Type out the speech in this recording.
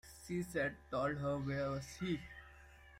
She said you told her where it was.